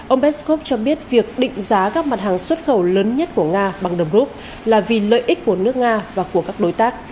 ông peskov cho biết việc định giá các mặt hàng xuất khẩu lớn nhất của nga bằng đồng rút là vì lợi ích của nước nga và của các đối tác